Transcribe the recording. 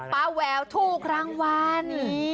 ป้าแววถูกรางวัล